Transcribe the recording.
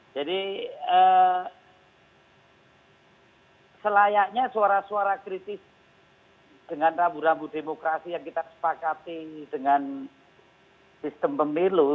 jadi selayaknya suara suara kritis dengan rambu rambu demokrasi yang kita sepakati dengan sistem pemilu